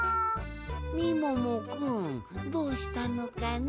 みももくんどうしたのかね？